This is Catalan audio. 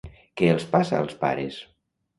Què els passa als pares?